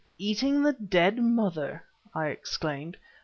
"Eating the dead mother!" I exclaimed.